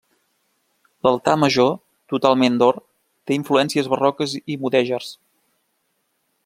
L'altar major, totalment d'or, té influències barroques i mudèjars.